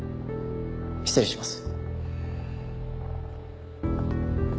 失礼します。